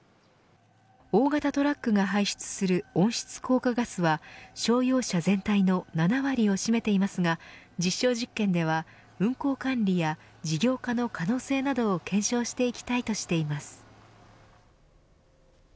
大型トラックが排出する温室効果ガスは商用車全体の７割を占めていますが実証実験では運行管理や事業化の可能性などを検証していきたいとしています。